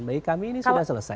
bagi kami ini sudah selesai